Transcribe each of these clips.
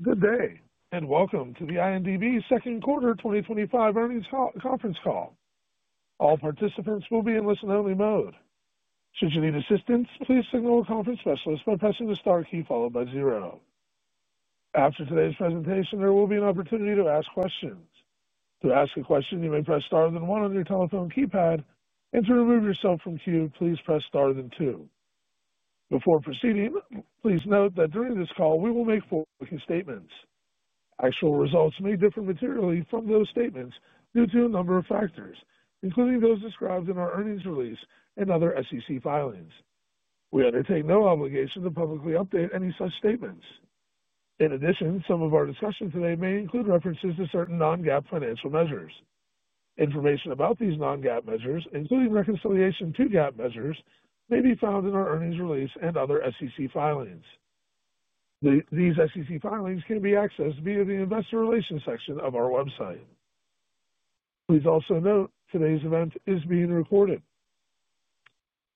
Good day and welcome to the INDB second quarter 2025 earnings conference call. All participants will be in listen-only mode. Should you need assistance, please signal a conference specialist by pressing the star key followed by zero. After today's presentation, there will be an opportunity to ask questions. To ask a question, you may press star then one on your telephone keypad, and to remove yourself from queue, please press star then two before proceeding. Please note that during this call we will make forward-looking statements. Actual results may differ materially from those statements due to a number of factors, including those described in our earnings release and other SEC filings. We undertake no obligation to publicly update any such statements. In addition, some of our discussion today may include references to certain non-GAAP financial measures. Information about these non-GAAP measures, including reconciliation to GAAP measures, may be found in our earnings release and other SEC filings. These SEC filings can be accessed via the Investor Relations section of our website. Please also note today's event is being recorded.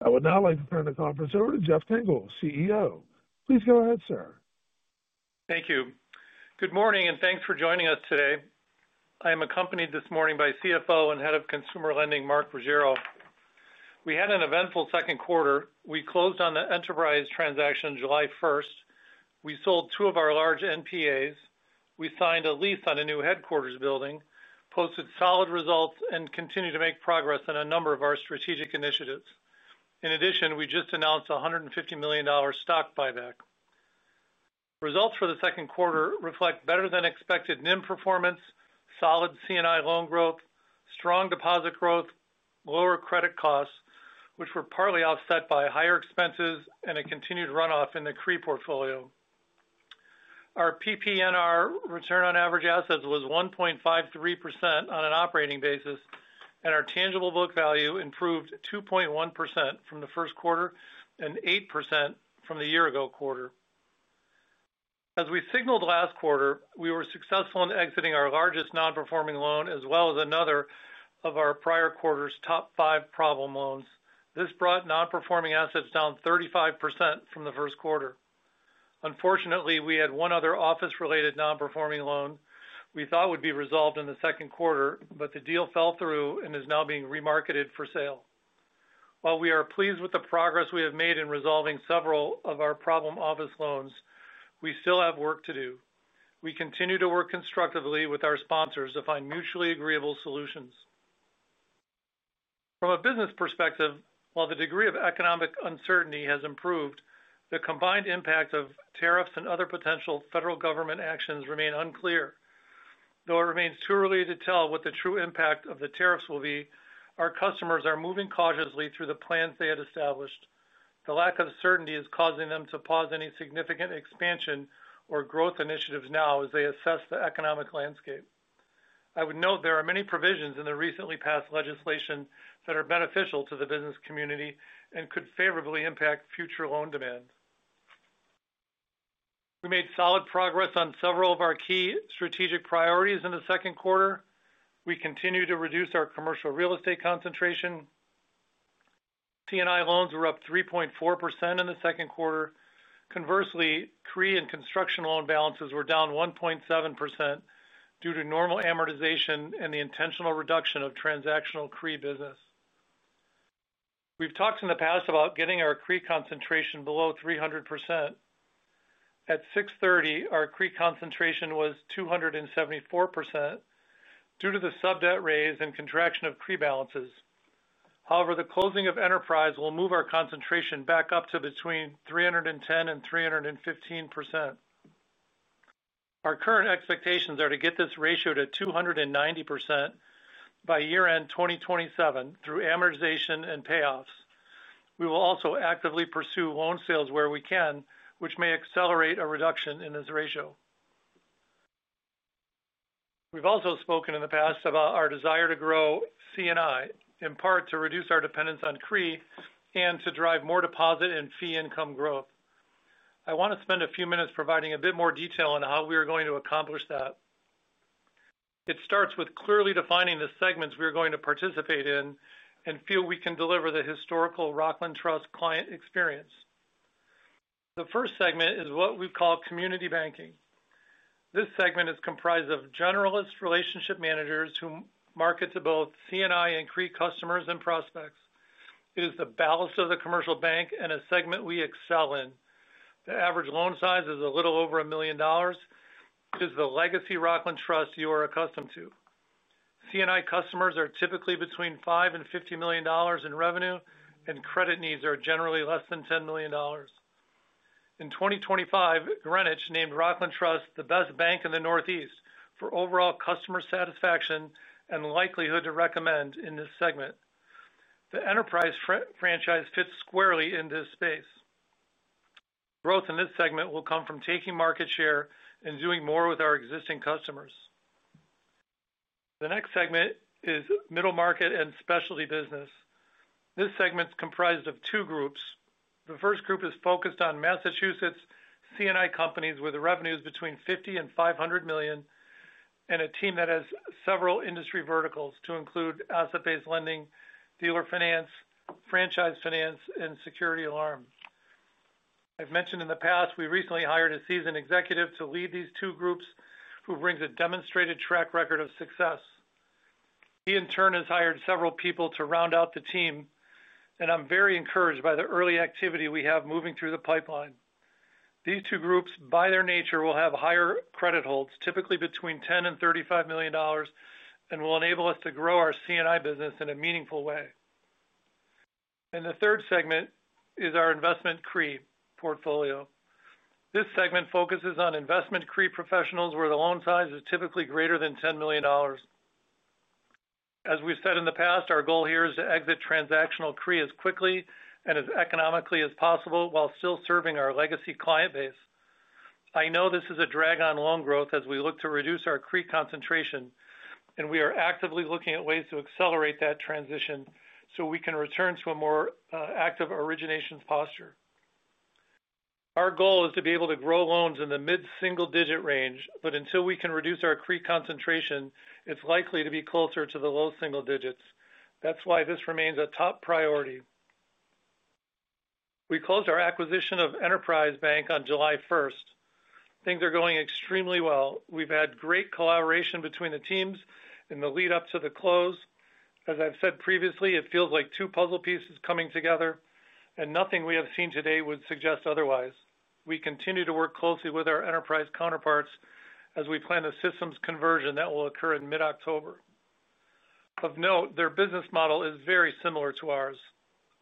I would now like to turn the conference over to Jeff Tengel, CEO. Please go ahead, sir. Thank you. Good morning and thanks for joining us today. I am accompanied this morning by CFO and Head of Consumer Lending Mark Ruggiero. We had an eventful second quarter. We closed on the Enterprise transaction July 1st. We sold 2 of our large NPAs, we signed a lease on a new headquarters building, posted solid results, and continue to make progress on a number of our strategic initiatives. In addition, we just announced a $150 million stock buyback. Results for the second quarter reflect better than expected core NIM performance, solid C&I loan growth, strong deposit growth, lower credit costs, which were partly offset by higher expenses and a continued runoff in the CRE portfolio. Our PPNR return on average assets was 1.53% on an operating basis, and our tangible book value improved 2.1% from the first quarter and 8% from the year-ago quarter. As we signaled last quarter, we were successful in exiting our largest nonperforming loan as well as another of our prior quarter's top five problem loans. This brought nonperforming assets down 35% from the first quarter. Unfortunately, we had one other office-related nonperforming loan we thought would be resolved in the second quarter, but the deal fell through and is now being remarketed for sale. While we are pleased with the progress we have made in resolving several of our problem office loans, we still have work to do. We continue to work constructively with our sponsors to find mutually agreeable solutions from a business perspective. While the degree of economic uncertainty has improved, the combined impact of tariffs and other potential federal government actions remain unclear, though it remains too early to tell what the true impact of the tariffs will be. Our customers are moving cautiously through the plans they had established. The lack of certainty is causing them to pause any significant expansion or growth initiatives now as they assess the economic landscape. I would note there are many provisions in the recently passed legislation that are beneficial to the business community and could favorably impact future loan demand. We made solid progress on several of our key strategic priorities in the second quarter. We continue to reduce our commercial real estate concentration. C&I loans were up 3.4% in the second quarter. Conversely, CRE and construction loan balances were down 1.7% due to normal amortization and the intentional reduction of transactional CRE business. We've talked in the past about getting our CRE concentration below 300%. At 6:30 our CRE concentration was 274% due to the sub debt raise and contraction of pre balances. However, the closing of Enterprise will move our concentration back up to between 310% and 315%. Our current expectations are to get this ratio to 290% by year end 2027 through amortization and payoffs. We will also actively pursue loan sales where we can, which may accelerate a reduction in this ratio. We've also spoken in the past about our desire to grow C&I in part to reduce our dependence on CRE and to drive more deposit and fee income growth. I want to spend a few minutes providing a bit more detail on how we are going to accomplish that. It starts with clearly defining the segments we are going to participate in and feel we can deliver the historical Rockland Trust client experience. The first segment is what we call community banking. This segment is comprised of generalist relationship managers who market to both C&I and CRE customers and prospects. It is the ballast of the commercial bank and a segment we excel in. The average loan size is a little over $1 million. It is the legacy Rockland Trust you are accustomed to. C&I customers are typically between $5 million and $50 million in revenue and credit needs are generally less than $10 million. In 2025, Greenwich named Rockland Trust the best bank in the Northeast for overall customer satisfaction and likelihood to recommend. In this segment, the Enterprise franchise fits squarely in this space. Growth in this segment will come from taking market share and doing more with our existing customers. The next segment is middle market and specialty business. This segment is comprised of two groups. The first group is focused on Massachusetts C&I companies where the revenues are between $50 million and $500 million and a team that has several industry verticals to include asset based lending, dealer finance, franchise finance and security alarm. I've mentioned in the past we recently hired a seasoned executive to lead these two groups who brings a demonstrated track record of success. He in turn has hired several people to round out the team and I'm very encouraged by the early activity we have moving through the pipeline. These two groups by their nature will have higher credit holds, typically between $10 million and $35 million and will enable us to grow our C&I business in a meaningful way. The third segment is our investment crew portfolio. This segment focuses on investment CRE professionals where the loan size is typically greater than $10 million. As we've said in the past, our goal here is to exit transactional CRE as quickly and as economically as possible while still serving our legacy client base. I know this is a drag on loan growth as we look to reduce our CRE concentration and we are actively looking at ways to accelerate that transition so we can return to a more active originations posture. Our goal is to be able to grow loans in the mid single-digit range, but until we can reduce our CRE concentration it's likely to be closer to the low single digits. That's why this remains a top priority. We closed our acquisition of Enterprise Bank on July 1st. Things are going extremely well. We've had great collaboration between the teams in the lead up to the close. As I've said previously, it feels like two puzzle pieces coming together and nothing we have seen today would suggest otherwise. We continue to work closely with our Enterprise counterparts as we plan the systems conversion that will occur in mid October. Of note, their business model is very similar to ours.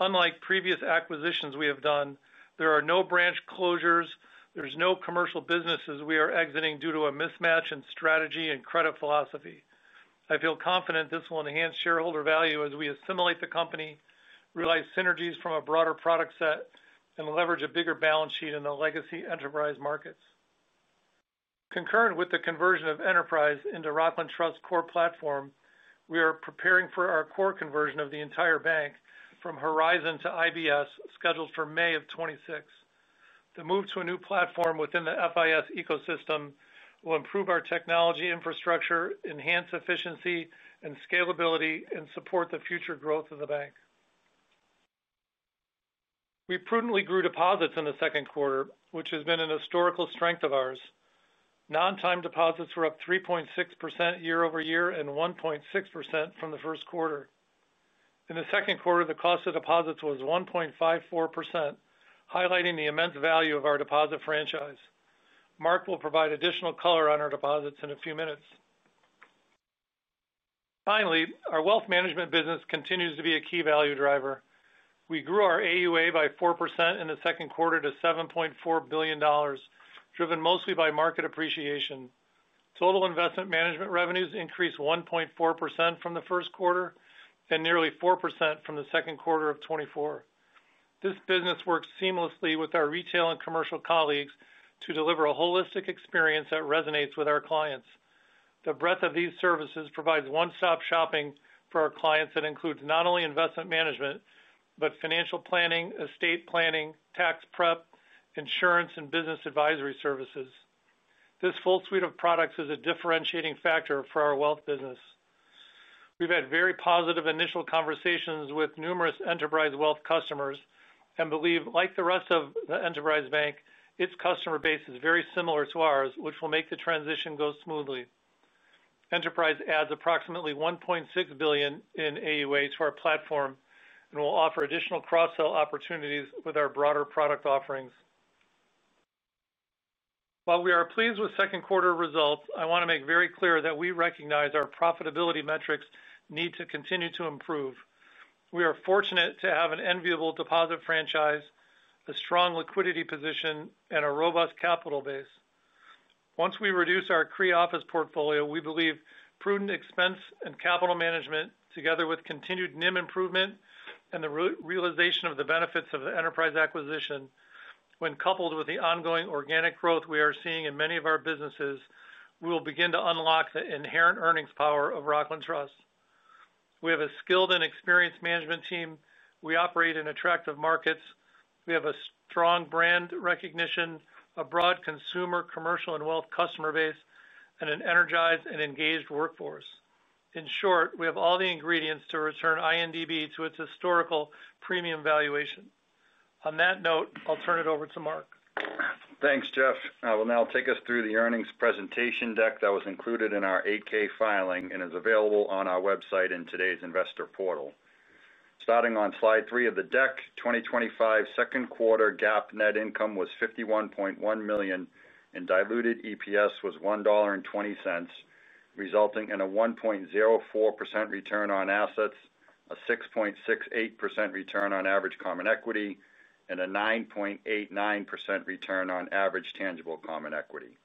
Unlike previous acquisitions we have done, there are no branch closures, there's no commercial businesses we are exiting due to a mismatch in strategy and credit philosophy. I feel confident this will enhance shareholder value as we assimilate the company, realize synergies from a broader product set, and leverage a bigger balance sheet in the legacy Enterprise markets. Concurrent with the conversion of Enterprise into Rockland Trust core platform, we are preparing for our core conversion of the entire bank from Horizon to IBS scheduled for May of 2026. The move to a new platform within the FIS ecosystem will improve our technology infrastructure, enhance efficiency and scalability, and support the future growth of the bank. We prudently grew deposits in the second quarter which has been a historical strength of ours. Non-time deposits were up 3.6% year-over-year and 1.6% from the first quarter. In the second quarter, the cost of deposits was 1.54%. On highlighting the immense value of our deposit franchise, Mark will provide additional color on our deposits in a few minutes. Finally, our wealth management business continues to be a key value driver. We grew our AUA by 4% in the second quarter to $7.4 billion, driven mostly by market appreciation. Total investment management revenues increased 1.4% from the first quarter and nearly 4% from second quarter of 2024. This business works seamlessly with our retail and commercial colleagues to deliver a holistic experience that resonates with our clients. The breadth of these services provides one stop shopping for our clients that includes not only investment management but financial planning, estate planning, tax preparation, insurance and business advisory services. This full suite of products is a differentiating factor for our wealth business. We've had very positive initial conversations with numerous Enterprise wealth customers and believe like the rest of Enterprise Bank, its customer base is very similar to ours which will make the transition go smoothly. Enterprise adds approximately $1.6 billion in AUA to our platform and will offer additional cross sell opportunities with our broader product offerings. While we are pleased with second quarter results, I want to make very clear that we recognize our profitability metrics need to continue to improve. We are fortunate to have an enviable deposit franchise, a strong liquidity position and a robust capital base. Once we reduce our CRE office portfolio, we believe prudent expense and capital management together with continued core NIM improvement and the realization of the benefits of the Enterprise acquisition when coupled with the ongoing organic loan growth we are seeing in many of our businesses, we will begin to unlock the inherent earnings power of Rockland Trust. We have a skilled and experienced management team. We operate in attractive markets. We have a strong brand recognition, a broad consumer, commercial and wealth customer base and an energized and engaged workforce. In short, we have all the ingredients to return INDB to its historical premium valuation. On that note, I'll turn it over to Mark. Thanks Jeff. I will now take us through the earnings presentation deck that was included in our 8-K filing and is available on our website in today's investor portal. Starting on slide 3 of the deck, 2025 second quarter GAAP net income was $51.1 million and diluted EPS was $1.20, resulting in a 1.04% return on assets, a 6.68% return on average common equity, and a 9.89% return on average tangible common equity,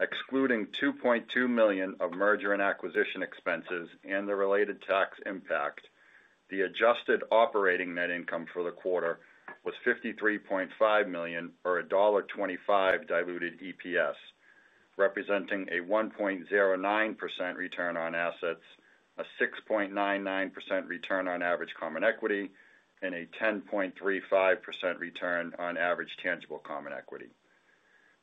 excluding $2.2 million of merger and acquisition expenses and the related tax impact. The adjusted operating net income for the quarter was $53.5 million or $1.25 diluted EPS, representing a 1.09% return on assets, a 6.99% return on average common equity, and a 10.35% return on average tangible common equity.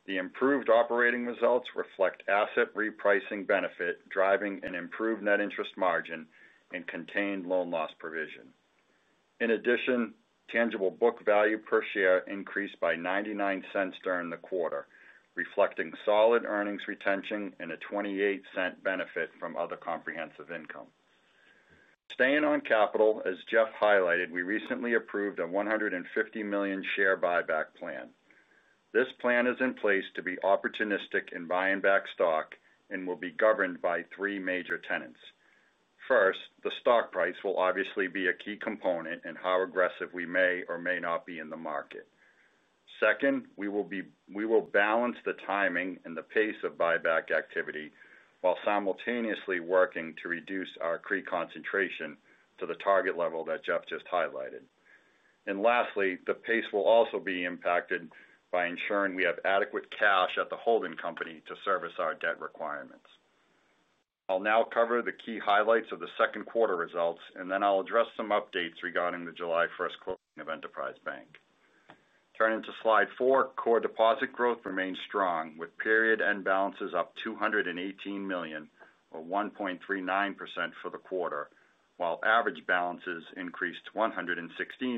The improved operating results reflect asset repricing benefit driving an improved net interest margin and contained loan loss provision. In addition, tangible book value per share increased by $0.99 during the quarter, reflecting solid earnings retention and a $0.28 benefit from other comprehensive income staying on capital. As Jeff highlighted, we recently approved a $150 million share buyback plan. This plan is in place to be opportunistic in buying back stocks and will be governed by three major tenets. First, the stock price will obviously be a key component in how aggressive we may or may not be in the market. Second, we will balance the timing and the pace of buyback activity while simultaneously working to reduce our CRE concentration to the target level that Jeff just highlighted. Lastly, the pace will also be impacted by ensuring we have adequate cash at the holding company to service our debt requirements. I'll now cover the key highlights of the second quarter results and then I'll address some updates regarding the July 1st closing of Enterprise Bank. Turning to slide 4, core deposit growth remains strong with period end balances up $218 million or 1.39% for the quarter, while average balances increased $116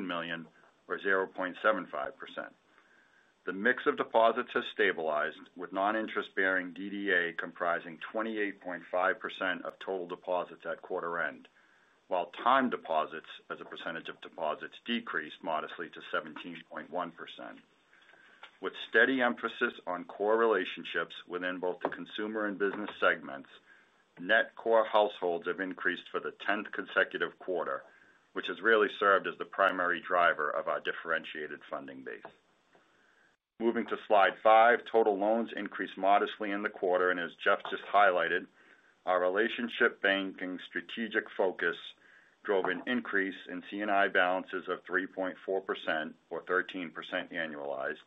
million or 0.75%. The mix of deposits has stabilized with non-interest bearing DDA comprising 28.5% of total deposits at quarter end, while time deposits as a percentage of deposits decreased modestly to 17.1% with steady emphasis on core relationships within both the consumer and business segments. Net core households have increased for the 10th consecutive quarter, which has really served as the primary driver of our differentiated funding base. Moving to slide 5, total loans increased modestly in the quarter and as Jeff just highlighted, our relationship banking strategic focus drove an increase in C&I balances of 3.4% or 13% annualized.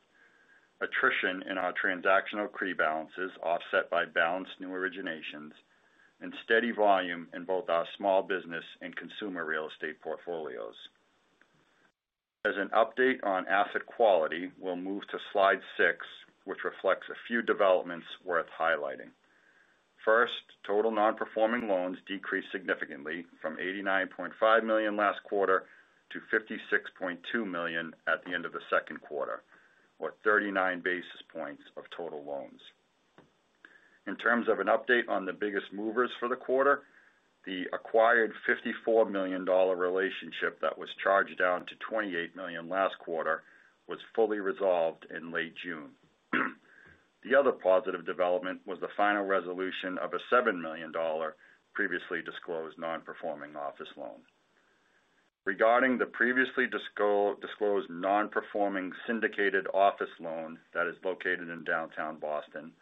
Attrition in our transactional CRE balances was offset by balanced new originations and steady volume in both our small business and consumer real estate portfolios. As an update on asset quality, we'll move to slide 6, which reflects a few developments worth highlighting. First, total nonperforming loans decreased significantly from $89.5 million last quarter to $56.2 million at the end of the second quarter, or 39 basis points of total loans. In terms of an update on the biggest movers for the quarter, the acquired $54 million relationship that was charged down to $28 million last quarter was fully resolved in late June. The other positive development was the final resolution of a $7 million previously disclosed nonperforming office loan. Regarding the previously disclosed nonperforming syndicated office loan that is located in downtown Boston,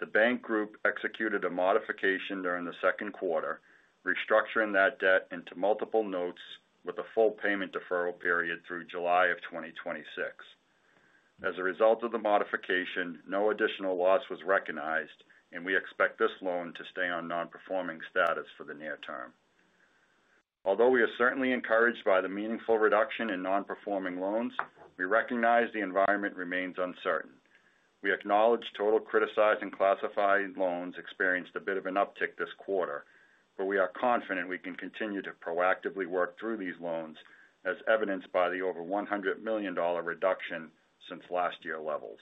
the Bank Group executed a modification during the second quarter, restructuring that debt into multiple notes with a full payment deferral period through July of 2026. As a result of the modification, no additional loss was recognized and we expect this loan to stay on nonperforming status for the near term. Although we are certainly encouraged by the meaningful reduction in nonperforming loans, we recognize the environment remains uncertain. We acknowledge total criticized and classified loans experienced a bit of an uptick this quarter, but we are confident we can continue to proactively work through these loans as evidenced by the over $100 million reduction since last year levels.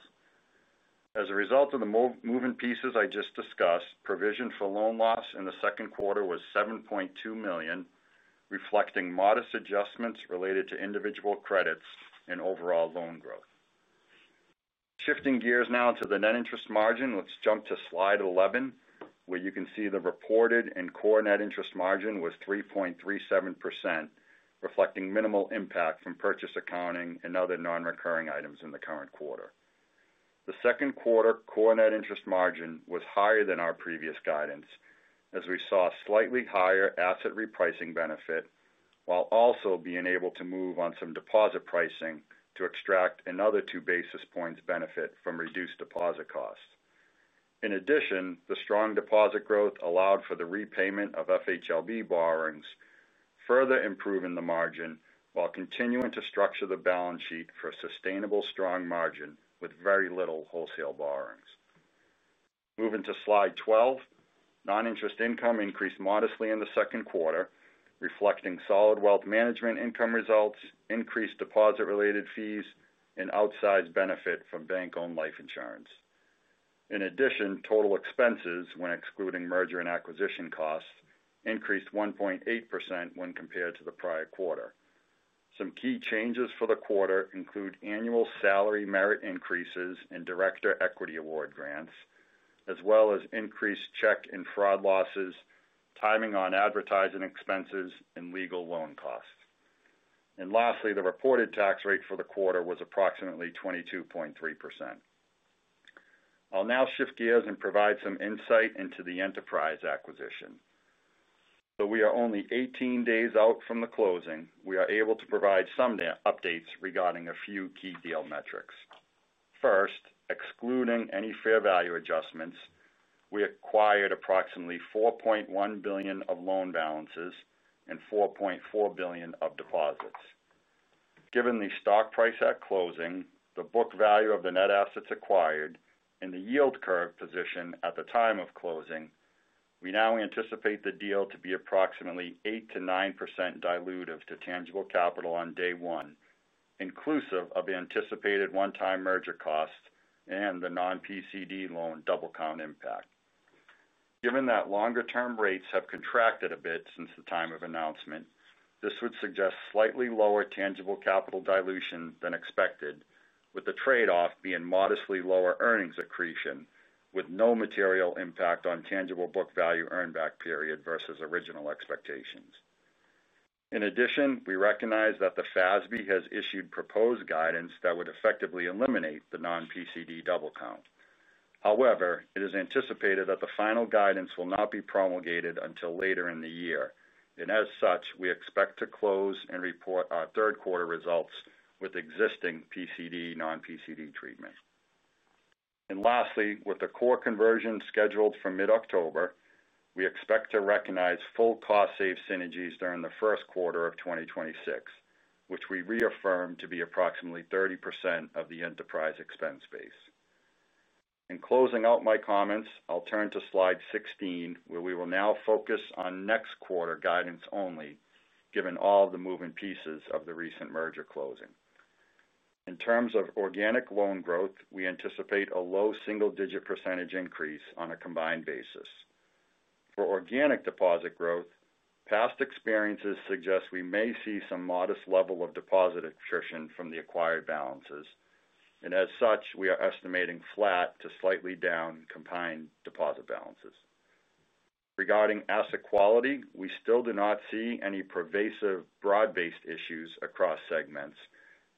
As a result of the moving pieces I just discussed, provision for loan loss in the second quarter was $7.2 million, reflecting modest adjustments related to individual credits and overall loan growth. Shifting gears now to the net interest margin, let's jump to slide 11 where you can see the reported and core net interest margin was 3.37%, reflecting minimal impact from purchase accounting and other nonrecurring items in the current quarter. The second quarter core net interest margin was higher than our previous guidance as we saw a slightly higher asset repricing benefit while also being able to move on some deposit pricing to extract another 2 basis points benefit from reduced deposit cost. In addition, the strong deposit growth allowed for the repayment of FHLB borrowings, further improving the margin while continuing to structure the balance sheet for a sustainable strong margin with very little wholesale borrowings. Moving to slide 12, noninterest income increased modestly in the second quarter, reflecting solid wealth management income results, increased deposit-related fees, and outsized benefit from bank-owned life insurance. In addition, total expenses, when excluding merger and acquisition costs, increased 1.8% when compared to the prior quarter. Some key changes for the quarter include annual salary merit increases and director equity award grants, as well as increased check and fraud losses, timing on advertising expenses and legal loan costs. Lastly, the reported tax rate for the quarter was approximately 22.3%. I'll now shift gears and provide some insight into the Enterprise acquisition. Though we are only 18 days out from the closing, we are able to provide some updates regarding a few key deal metrics. First, excluding any fair value adjustments, we acquired approximately $4.1 billion of loan balances and $4.4 billion of deposits. Given the stock price at closing, the book value of the net assets acquired, and the yield curve position at the time of closing, we now anticipate the deal to be approximately 8%-9% dilutive to tangible capital on day one, inclusive of anticipated one-time merger costs and the non-PCD loan double count impact. Given that longer-term rates have contracted a bit since the time of announcement, this would suggest slightly lower tangible capital dilution than expected, with the trade-off being modestly lower earnings accretion with no material impact on tangible book value earned back period versus original expectations. In addition, we recognize that the FASB has issued proposed guidance that would effectively eliminate the non-PCD double count. However, it is anticipated that the final guidance will not be promulgated until later in the year, and as such, we expect to close and report our third quarter results with existing PCD and non-PCD treatment. Lastly, with the core conversion scheduled for mid-October, we expect to recognize full cost save synergies during the first quarter of 2026, which we reaffirmed to be approximately 30% of the Enterprise expense base. In closing out my comments, I'll turn to slide 16 where we will now focus on next quarter guidance only. Given all the moving pieces of the recent merger closing in terms of organic loan growth, we anticipate a low single-digit percentage increase on a combined basis for organic deposit growth. Past experiences suggest we may see some modest level of deposit attrition from the acquired balances, and as such we are estimating flat to slightly down combined deposit balances. Regarding asset quality, we still do not see any pervasive broad based issues across segments,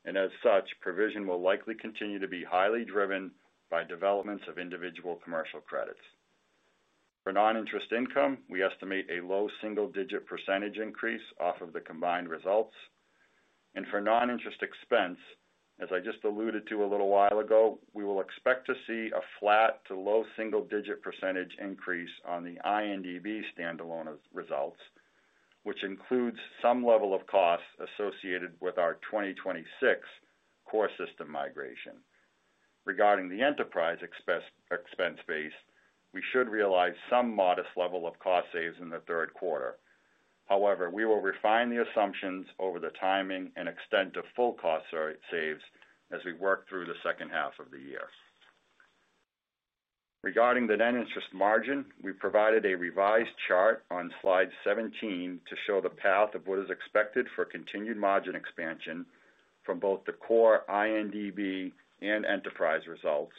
and as such provision will likely continue to be highly driven by developments of individual commercial credits. For noninterest income, we estimate a low single-digit percentage increase off of the combined results, and for noninterest expense, as I just alluded to a little while ago, we will expect to see a flat to low single-digit percentage increase on the INDB standalone results, which includes some level of costs associated with our 2026 core system migration. Regarding the Enterprise expense base, we should realize some modest level of cost saves in the third quarter. However, we will refine the assumptions over the timing and extent of full cost saves as we work through the second half of the year. Regarding the net interest margin, we provided a revised chart on slide 17 to show the path of what is expected for continued margin expansion from both the core INDB and Enterprise results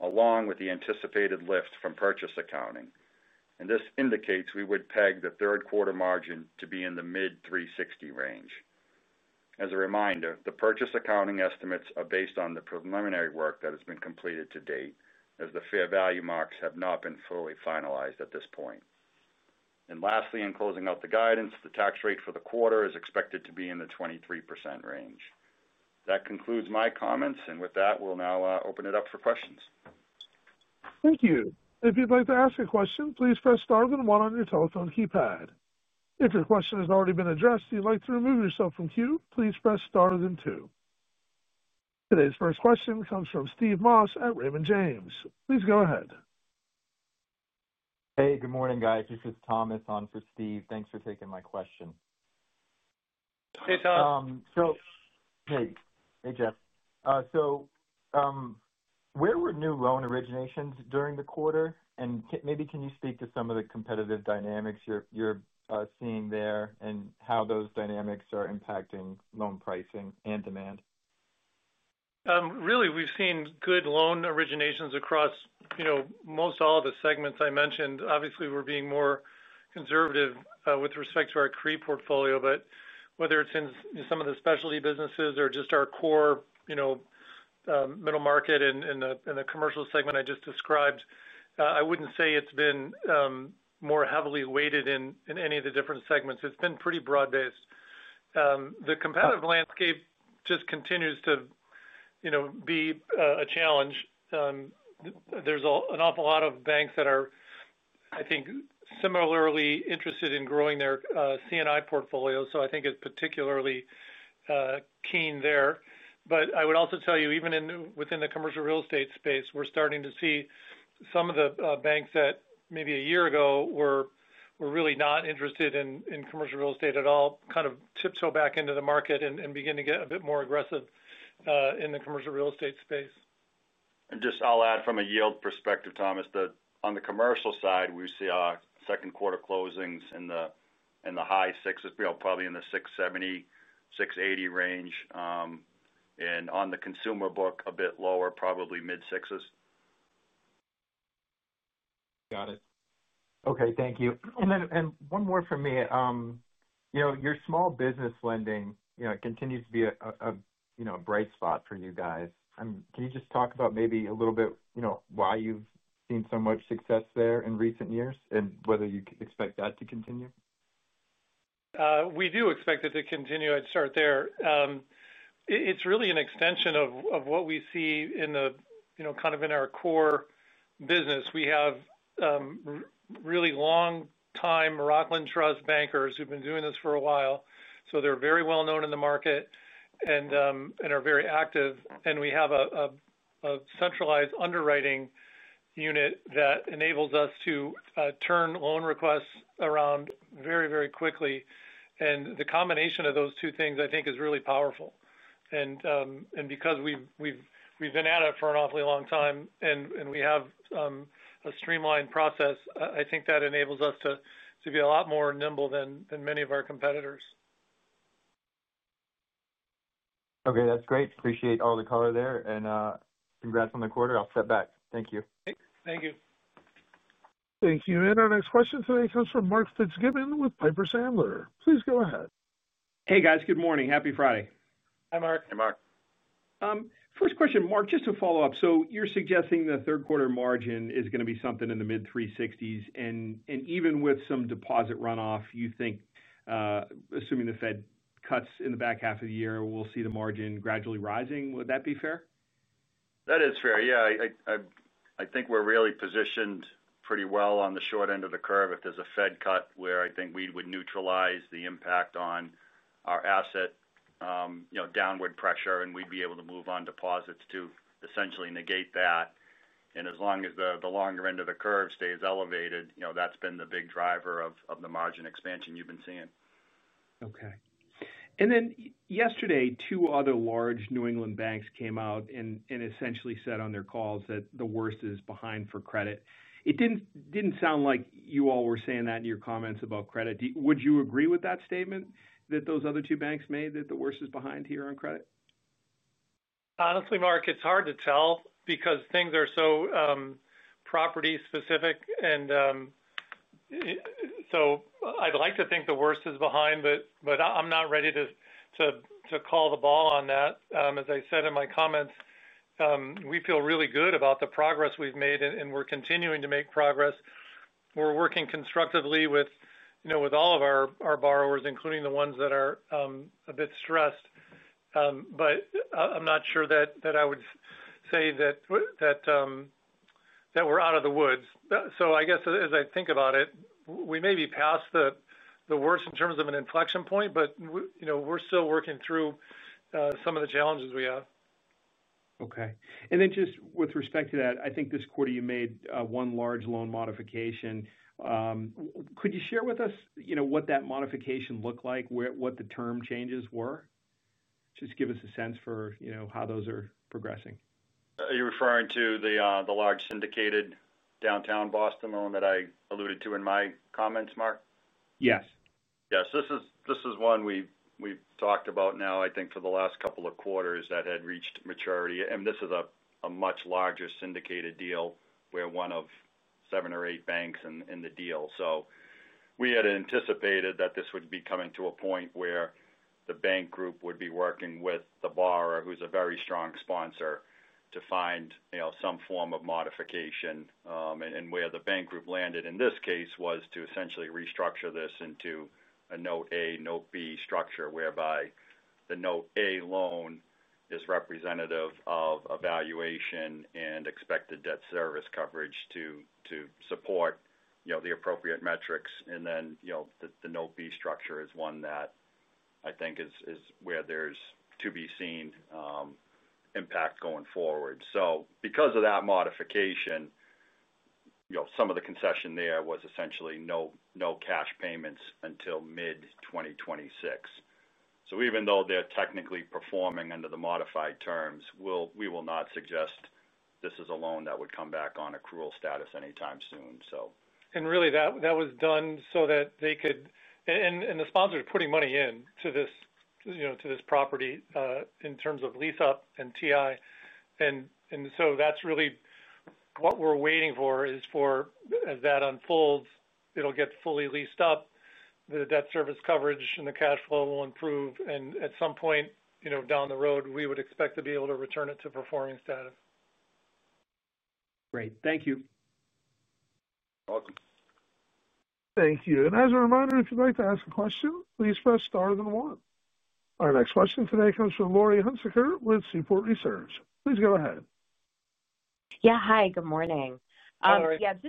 along with the anticipated lift from purchase accounting, and this indicates we would peg the third quarter margin to be in the mid 3.60% range. As a reminder, the purchase accounting estimates are based on the preliminary work that has been completed to date, as the fair value marks have not been fully finalized at this point. Lastly, in closing out the guidance, the tax rate for the quarter is expected to be in the 23% range. That concludes my comments, and with that, we'll now open it up for questions. Thank you. If you'd like to ask a question, please press star then one on your telephone keypad. If your question has already been addressed and you'd like to remove yourself from queue, please press star then two. Today's first question comes from Steve Moss at Raymond James. Please go ahead. Hey, good morning, guys. This is Thomas on for Steve. Thanks for taking my question. Hey Jeff, where were new loan originations during the quarter? Maybe can you speak to some. Of the competitive dynamics you're seeing there. How those dynamics are impacting loan pricing and demand? We've seen good loan originations across most all of the segments I mentioned. Obviously, we're being more conservative with respect to our CRE portfolio, but whether it's in some of the specialty businesses or just our core middle market and the commercial segment I just described, I wouldn't say it's been more heavily weighted in any of the different segments. It's been pretty broad based. The competitive landscape just continues to be a challenge. There's an awful lot of banks that are, I think, similarly interested in growing their C&I portfolio. I think it's particularly keen there. I would also tell you, even within the commercial real estate space, we're starting to see some of the banks that maybe a year ago were really not interested in commercial real estate at all kind of tiptoe back into the market and begin to get a bit more aggressive in the commercial real estate space. I'll add from a yield perspective, Thomas, that on the commercial side, we saw second quarter closings in the high sixes, probably in the 6.70%-6.80% range, and on the consumer book, a bit lower, probably mid sixes. Got it. Okay, thank you. One more for me. Your small business lending, you. It continues to be a bright spot for you guys. Can you just talk about maybe a little bit why you've seen. been much success there in recent years. Do you expect that to continue? We do expect it to continue. I'd start there. It's really an extension of what we see in our core business. We have really long-time Rockland Trust bankers who've been doing this for a while. They are very well known in the market and are very active. We have a centralized underwriting unit that enables us to turn loan requests around very, very quickly. The combination of those two things I think is really powerful. Because we've been at it for an awfully long time and we have a streamlined process, I think that enables us to be a lot more nimble than many of our competitors. Okay, that's great. Appreciate all the color there. Congratulations on the quarter. I'll step back. Thank you. Thank you. Thank you. Our next question today comes from Mark Fitzgibbon with Piper Sandler. Please go ahead. Hey, guys. Good morning. Happy Friday. Hi, Mark. Hi, Mark. First question. Mark, just to follow up, you're suggesting the third quarter margin is going to be something in the mid-3.60%s, even with some deposit runoff. You think, assuming the Fed cuts in. The back half of the year, we'll see the margin gradually rising. Would that be fair? That is fair, yeah. I think we're really positioned pretty well on the short end of the curve. If there's a Fed cut, I think we would neutralize the impact on our asset downward pressure, and we'd be able to move on deposits to essentially negate that. As long as the longer end of the curve stays elevated, that's been the big driver of the margin expansion you've been seeing. Okay. Yesterday, two other large New England banks came out and essentially said on their calls that the worst is behind for credit. It didn't sound like you all were saying that in your comments about credit. Would you agree with that statement that those other two banks made that the worst is behind here on credit? Honestly, Mark, it's hard to tell because things are so property specific. I'd like to think the worst is behind, but I'm not ready to call the ball on that. As I said in my comments, we feel really good about the progress we've made and we're continuing to make progress. We're working constructively with all of our borrowers, including the ones that are a bit stressed. I'm not sure that I would say that we're out of the woods. I guess as I think about it, we may be past the worst in terms of an inflection point, but, you know, we're still working through some of the challenges we have. Just with respect to that, I think this quarter you made one large loan modification. Could you share with us what that modification looked like, what the term changes were? Just give us a sense for how those are progressing. Are you referring to the large syndicated downtown Boston loan that I alluded to in my comments, Mark? Yes, yes. This is one we've talked about now, I think, for the last couple of quarters that had reached maturity. This is a much larger syndicated deal where we are one of seven or eight banks in the deal. We had anticipated that this would be coming to a point where the bank group would be working with the borrower, who's a very strong sponsor, to find some form of modification. Where the bank group landed in this case was to essentially restructure this into a note A note B structure, whereby the note A loan is representative of evaluation and expected debt service coverage to support the appropriate metrics. The note B structure is one that I think is where there's to be seen impact going forward. Because of that modification, some of the concession, there was essentially no cash payments until mid-2026. Even though they're technically performing under the modified terms, we will not suggest this is a loan that would come back on accrual status anytime soon. That was done so that they could. The sponsor is putting money into this property in terms of lease up and TI. That's really what we're waiting for, as that unfolds, it'll get fully leased up, the debt service coverage and the cash flow will improve. At some point down the road, we would expect to be able to return it to performing status. Great. Thank you. Welcome. Thank you. As a reminder, if you'd like to ask a question, please press star then one. Our next question today comes from Laurie Hunsicker with Seaport Research. Please go ahead. Yeah, hi. Good morning. Just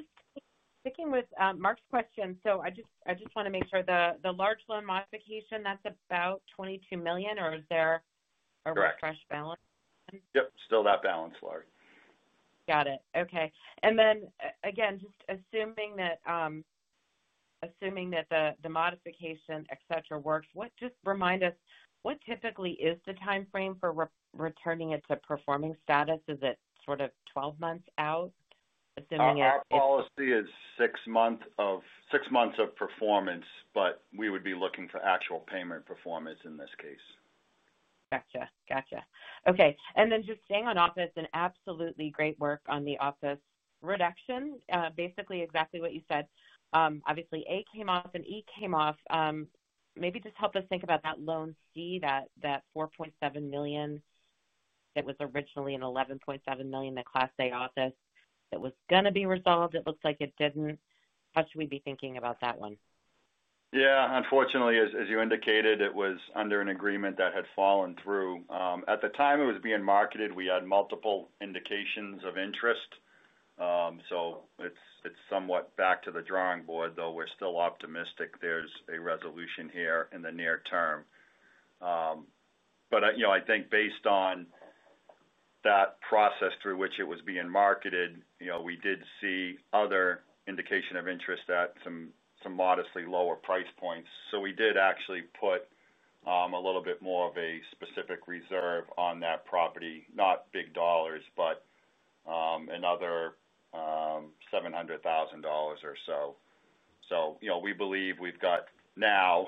sticking with Mark's question, I just want to make sure. The large loan modification, that's about $22 million, or is there a refresh balance? Yep, still that balance, Laurie. Got it. Okay. Assuming that the modification, et cetera, works, just remind us, what typically is the timeframe for returning it to performing status? Is it sort of 12 months out? Assuming it. Our policy is six months of performance. We would be looking for actual payment performance in this case. Gotcha. Okay. Just staying on office, absolutely great work on the office reduction. Basically exactly what you said, obviously A came off and E came off. Maybe just help us think about that loan C, that $4.7 million, that was originally an $11.7 million. The Class A office that was going to be resolved, it looks like it didn't. How should we be thinking about that one? Yeah, unfortunately, as you indicated, it was under an agreement that had fallen through at the time it was being marketed. We had multiple indications of interest. It's somewhat back to the drawing board, though we're still optimistic there's a resolution here in the near term. I think based on that process through which it was being marketed, we did see other indication of interest at some modestly lower price points. We did actually put a little bit more of a specific reserve on that property, not big dollars, but another $700,000 or so. We believe we've got now,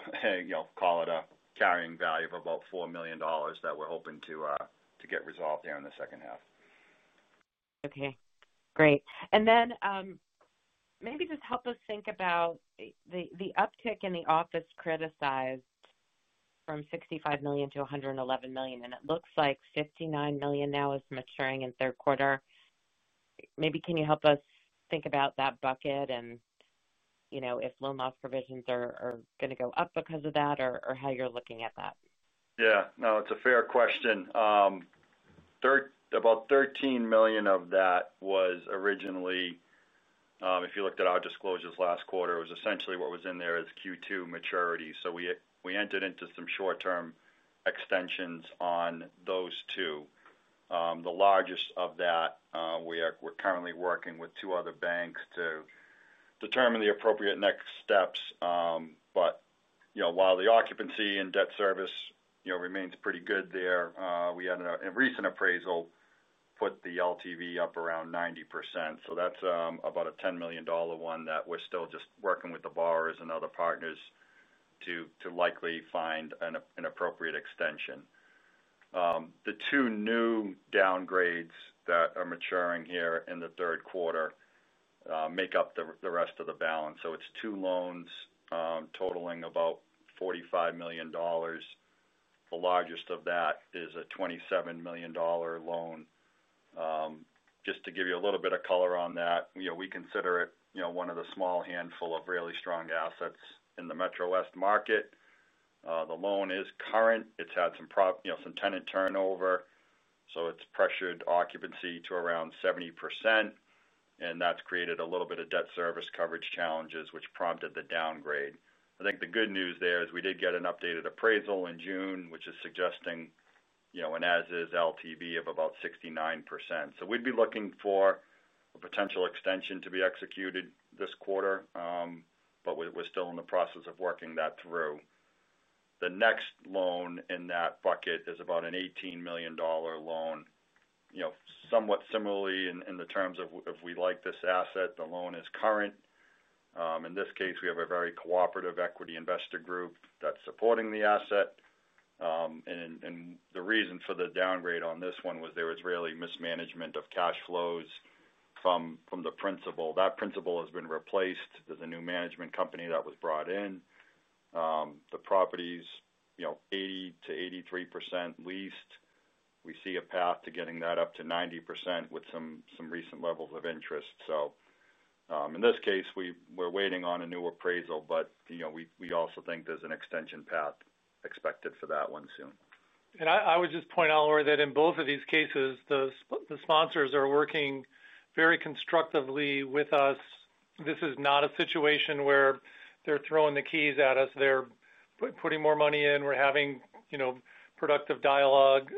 call it a carrying value of about $4 million that we're hoping to get resolved there in the second half. Okay, great. Maybe just help us think about the uptick in the office criticized from $65 million to $111 million. It looks like $59 million now is maturing in third quarter. Maybe can you help us think about that bucket and, you know, if loan loss provisions are going to go up because of that or how you're looking at that? Yeah, no, it's a fair question. About $13 million of that was originally, if you looked at our disclosures last quarter, it was essentially what was in there as Q2 maturity. We entered into some short-term extensions on those too. The largest of that, we're currently working with two other banks to determine the appropriate next steps. While the occupancy and debt service remains pretty good there, we had a recent appraisal put the LTV up around 90%. That's about a $10 million one that we're still just working with the borrowers and other partners to likely find an appropriate extension. The two new downgrades that are maturing here in the third quarter make up the rest of the balance. It's two loans totaling about $45 million. The largest of that is a $27 million loan. Just to give you a little bit of color on that, we consider it one of the small handful of really strong assets in the Metro West market. The loan is current, it's had some tenant turnover, so it's pressured occupancy to around 70%. That's created a little bit of debt service coverage challenges, which prompted the downgrade. The good news there is we did get an updated appraisal in June, which is suggesting an as-is LTV of about 69%. We'd be looking for a potential extension to be executed this quarter. We're still in the process of working that through. The next loan in that bucket is about an $18 million loan. Somewhat similarly in terms of if we like this asset, the loan is current. In this case, we have a very cooperative equity investor group that's supporting the asset. The reason for the downgrade on this one was there was really mismanagement of cash flows from the principal. That principal has been replaced. There's a new management company that was brought in. The property's 80%-83% leased. We see a path to getting that up to 90% with some recent levels of interest. In this case, we're waiting on a new appraisal, but we also think there's an extension path expected for that one soon. I would just point out, Lori, that in both of these cases the sponsors are working very constructively with us. This is not a situation where they're throwing the keys at us. They're putting more money in. We're having productive dialogue.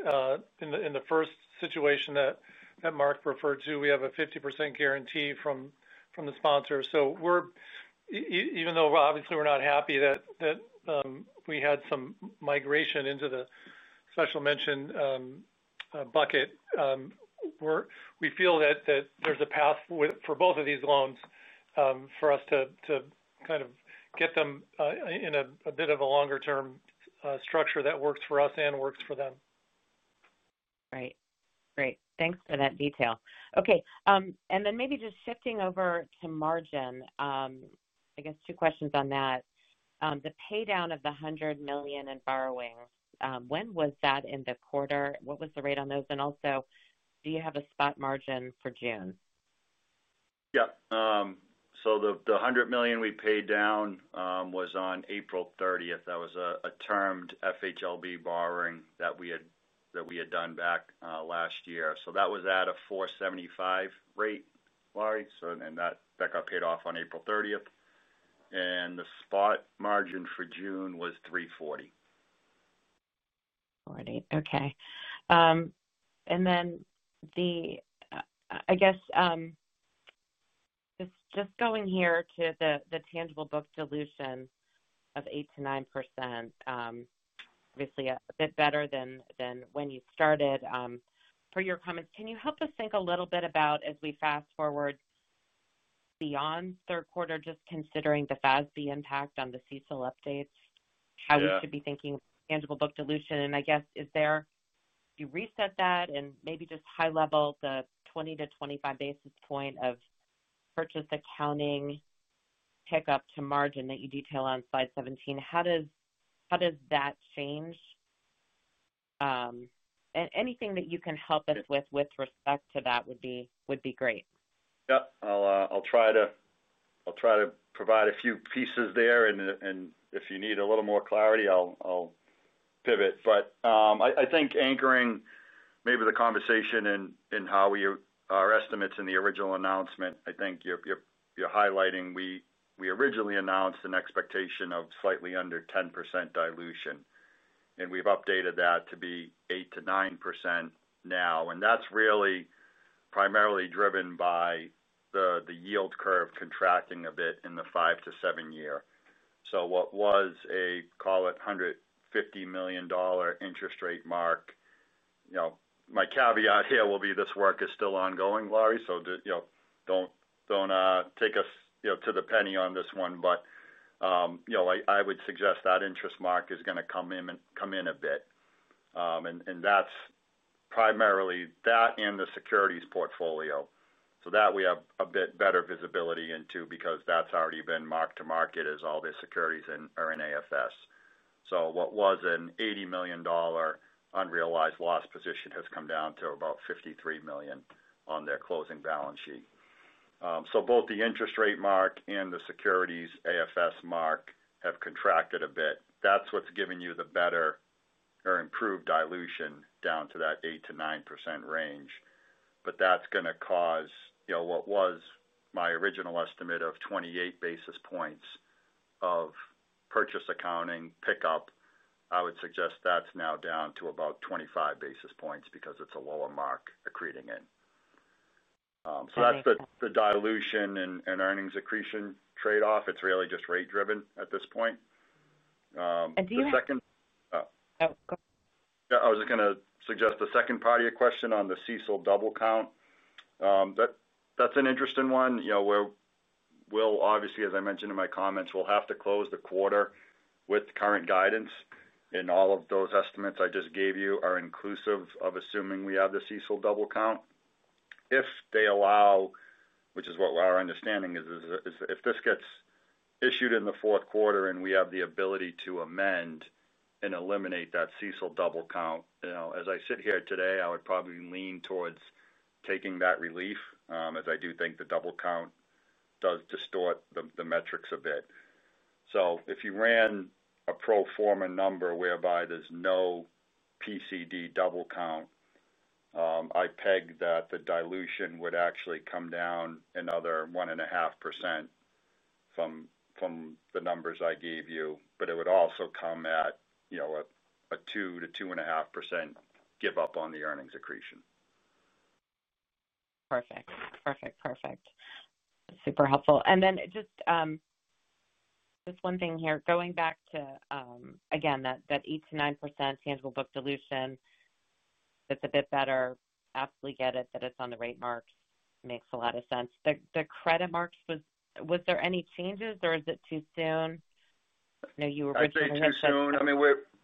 In the first situation that Mark referred to, we have a 50% guarantee from the sponsor. Even though obviously we're not happy that we had some migration into the special mention bucket, we feel that there's a path for both of these loans for us to kind of get them in a bit of a longer term structure that works for us and works for them. Right, great. Thanks for that detail. Okay, maybe just shifting over to margin, I guess two questions on that. The pay down of the $100 million in borrowing, when was that in the quarter? What was the rate on those? Also, do you have a spot margin for June? Yep. The $100 million we paid down was on April 30th. That was a termed FHLB borrowing that we had done back last year. That was at a 4.75% rate, Laurie. That got paid off on April 30th. The spot margin for June was 3.40%. Okay. The, I guess just going here to the tangible book dilution of 8%-9%, obviously a bit better than when you started for your comments. Can you help us think a little bit about as we fast forward beyond third quarter, just considering the FASB impact on the CECL updates, how we should be thinking tangible book dilution and I guess is there you reset that and maybe just high level the 20-25 basis point of purchase accounting pickup to margin that you detail on slide 17. How does that change anything that you can help us with with respect to that would be great. Yep. I'll try to provide a few pieces there, and if you need a little more clarity, I'll pivot. I think anchoring maybe the conversation in how we our estimates in the original announcement, I think you're highlighting we originally announced an expectation of slightly under 10% dilution, and we've updated that to be 8%-9% now. That's really primarily driven by the yield curve contracting a bit in the five to seven year, so what was a, call it, $150 million interest rate mark. My caveat here will be this work is still ongoing, Laurie, so don't take us to the penny on this one. I would suggest that interest mark is going to come in a bit, and that's primarily that and the securities portfolio, so that we have a bit better visibility into because that's already been mark to market as all the securities are in AFS. What was an $80 million unrealized loss position has come down to about $53 million on their closing balance sheet. Both the interest rate mark and the securities AFS mark have contracted a bit. That's what's giving you the better or improved dilution down to that 8%-9% range. That's going to cause what was my original estimate of 28 basis points of purchase accounting pickup, I would suggest that's now down to about 25 basis points because it's a lower mark accreting in, so that's the dilution and earnings accretion trade off. It's really just rate driven at this point. I was just going to suggest the second part of your question on the CECL double count. That's an interesting one. Obviously, as I mentioned in my comments, we'll have to close the quarter with current guidance, and all of those estimates I just gave you are inclusive of assuming we have the CECL double count. If they allow, which is what our understanding is, if this gets issued in the fourth quarter and we have the ability to amend and eliminate that CECL double count, as I sit here today, I would probably lean towards taking that relief as I do think the double count does distort the metrics a bit. If you ran a pro forma number whereby there's no PCD double count, I pegged that the dilution would actually come down another 1.5% from the numbers I gave you, but it would also come at a 2%-2.5% give up on the earnings accretion. Perfect, perfect, perfect. Super helpful. Just one thing here, going back to that 8 to 9% tangible book dilution. That's a bit better. Absolutely. Get it. That it's on the rate mark makes a lot of sense. The credit marks, was there any changes or is it too soon? No, you were. I'd say too soon.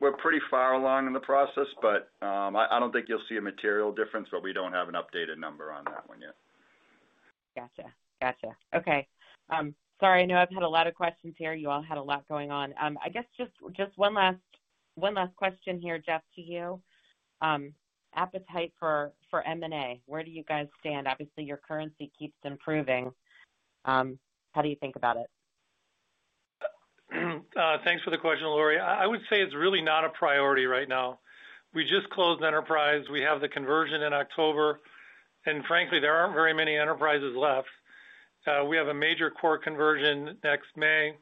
We're pretty far along in the process, but I don't think you'll see a material difference. We don't have an updated number on that one yet. Gotcha, gotcha. Okay. Sorry. I know I've had a lot of questions here. You all had a lot going on, I guess. Just one last question here. Jeff, to you. Appetite for M&A. Where do you guys stand? Obviously your currency keeps improving. How do you think about it? Thanks for the question, Laurie. I would say it's really not a priority right now. We just closed Enterprise Bank. We have the conversion in October, and frankly there aren't very many Enterprises left. We have a major core conversion next May,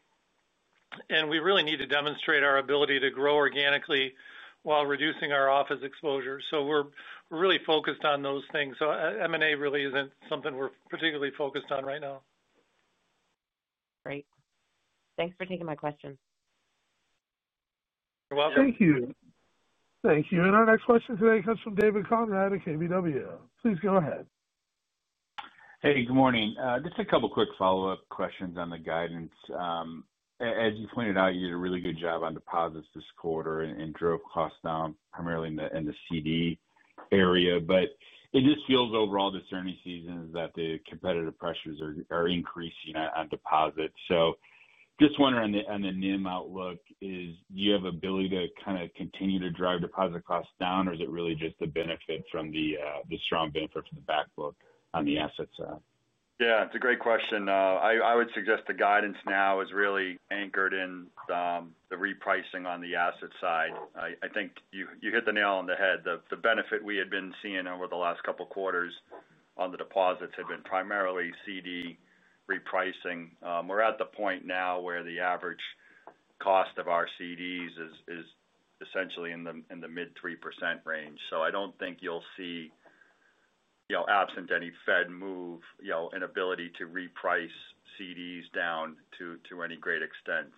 and we really need to demonstrate our ability to grow organically while reducing our office exposure. We're really focused on those things. M&A really isn't something we're particularly focused on right now. Great. Thanks for taking my question. You're welcome. Thank you. Thank you. Our next question today comes from David Konrad at KBW. Please go ahead. Hey, good morning. Just a couple quick follow up questions on the guidance. As you pointed out, you did a really good job on deposits this quarter and drove costs down primarily in the CD area. It just feels overall this earnings season that the competitive pressures are increasing on deposits. Just wondering on the NIM outlook, do you have ability to kind of continue to drive deposit costs down or is it really just a benefit from the strong benefit from the backbone on the assets? Yes, it's a great question. I would suggest the guidance now is really anchored in the repricing on the asset side. I think you hit the nail on the head. The benefit we had been seeing over the last couple quarters on the deposits had been primarily CD repricing. We're at the point now where the average cost of our CDs is essentially in the mid 3% range. I don't think you'll see, absent any Fed move, inability to reprice CDs down to any great extent.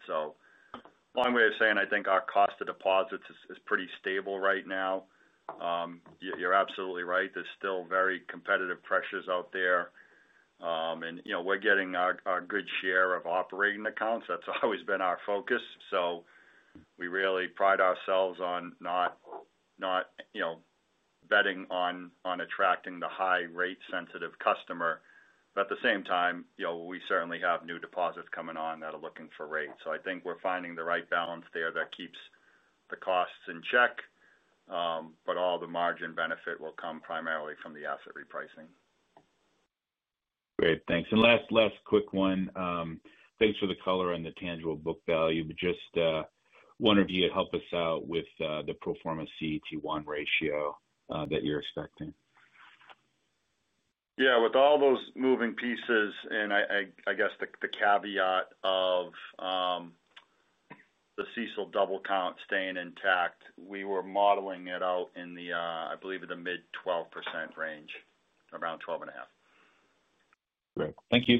Long way of saying I think our cost of deposits is pretty stable right now. You're absolutely right. There's still very competitive pressures out there and we're getting a good share of operating accounts. That's always been our focus. We really pride ourselves on not betting on attracting the high rate sensitive customer. At the same time, we certainly have new deposits coming on that are looking for rates. I think we're finding the right balance there. That keeps the costs in check. All the margin benefit will come primarily from the asset repricing. Great, thanks. Last quick one. Thanks for the color on the tangible book value, but just wonder if you could help us out with the pro forma CET1 ratio that you're expecting. Yeah, with all those moving pieces. I guess the caveat of. The. CECL double count staying intact. We were modeling it out in the, I believe in the mid 12% range, around 12.5%. Great. Thank you.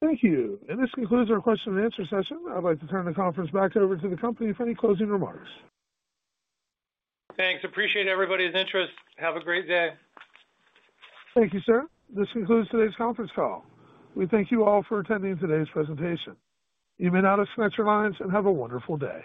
Thank you. This concludes our question and answer session. I'd like to turn the conference back over to the company for any closing remarks. Thanks. Appreciate everybody's interest. Have a great day. Thank you, sir. This concludes today's conference call. We thank you all for attending today's presentation. You may now disconnect your lines and have a wonderful day.